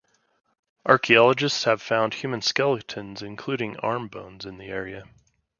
Archeologists have found human skeletons including arm bones in the area.